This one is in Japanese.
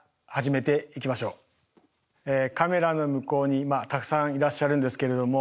カメラの向こうにたくさんいらっしゃるんですけれども。